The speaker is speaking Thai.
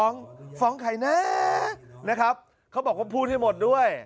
นะครับเขาบอกว่าพูดให้หมดด้วย